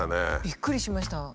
びっくりしました。